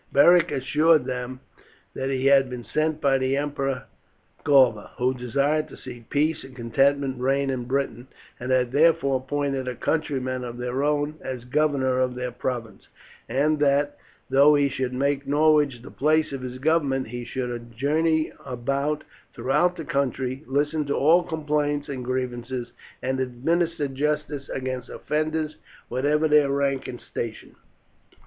Beric assured them that he had been sent by the emperor Galba, who desired to see peace and contentment reign in Britain, and had therefore appointed a countryman of their own as governor of their province, and that, though he should make Norwich the place of his government, he should journey about throughout the country, listen to all complaints and grievances, and administer justice against offenders, whatever their rank and station.